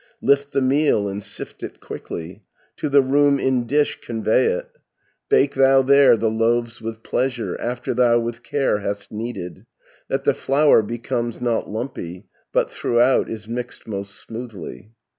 Lift the meal, and sift it quickly, To the room in dish convey it, Bake thou there the loaves with pleasure, After thou with care hast kneaded, That the flour becomes not lumpy, But throughout is mixed most smoothly.